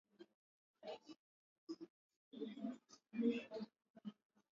ambayo yamekuwa yakiendelea mjini Baghdad katika kipindi cha mwaka mmoja